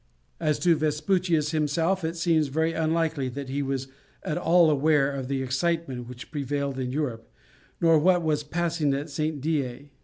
As to Vespucius himself, it seems very unlikely that he was at all aware of the excitement which prevailed in Europe, nor of what was passing at St. Dié.